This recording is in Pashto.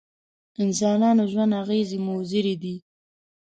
انسانانو ژوند اغېزې مضرې دي.